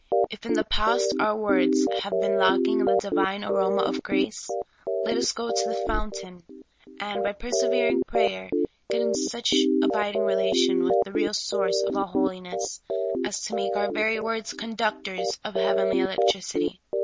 If in the past our words have been lacking in the Divine aroma of grace, let us go to the fountain and, by persevering prayer, get in such abiding relation with the real source of all holiness as to make our very words conductors of heavenly electricity.